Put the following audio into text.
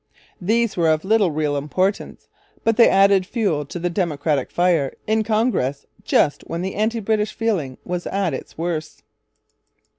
These were of little real importance; but they added fuel to the Democratic fire in Congress just when anti British feeling was at its worst.